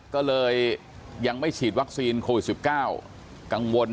ก็เลยยังไม่ฉีดวัคซีนโควิด๑๙กังวล